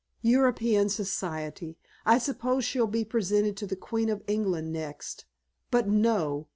"European Society! I suppose she'll be presented to the Queen of England next! But no!